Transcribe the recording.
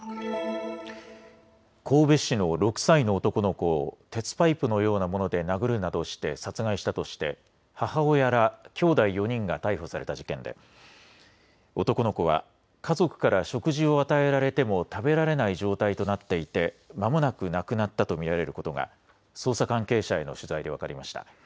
神戸市の６歳の男の子を鉄パイプのようなもので殴るなどして殺害したとして母親らきょうだい４人が逮捕された事件で男の子は家族から食事を与えられても食べられない状態となっていてまもなく亡くなったと見られることが捜査関係者への取材で分かりました。